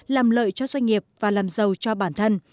làm lợi cho doanh nghiệp và làm giàu cho bản thân